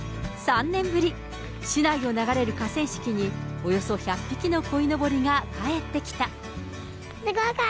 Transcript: ３年ぶり、市内を流れる河川敷に、およそ１００匹のこいのぼりが帰ってきた。